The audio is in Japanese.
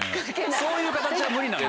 そういう形は無理なの。